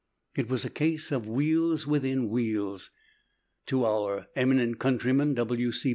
It was a case of wheels within wheels. To our own eminent countryman, W. C.